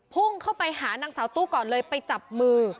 พุ่งเข้าไปหานางสาวตู้ก่อนเลยไปจับมือ